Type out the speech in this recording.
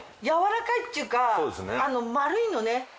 やわらかいっていうかまるいのね。